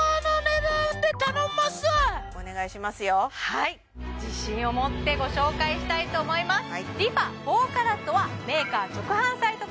はい自信を持ってご紹介したいと思います